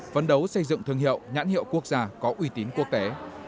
phấn đấu xây dựng thương hiệu nhãn hiệu quốc gia có uy tín quốc tế